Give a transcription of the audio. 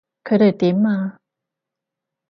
佢哋點啊？